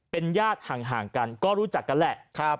เป็นญาติห่างกันก็รู้จักกันแหละ